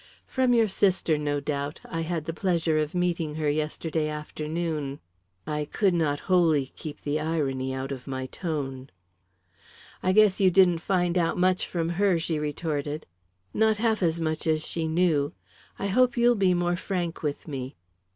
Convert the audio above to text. "From your sister, no doubt. I had the pleasure of meeting her yesterday afternoon." I could not wholly keep the irony out of my tone. "I guess you didn't find out much from her," she retorted. "Not half as much as she knew. I hope you'll be more frank with me."